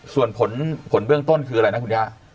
ส่วนผลเบื้องต้นคืออะไรนะคุณย่า